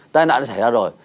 tai nạn đã xảy ra rồi